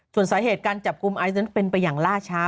ส่วนสาเหตุการจับกลุ่มไอซ์นั้นเป็นไปอย่างล่าช้า